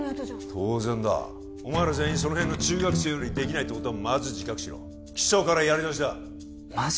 当然だお前ら全員その辺の中学生よりできないってことをまず自覚しろ基礎からやり直しだマジ！？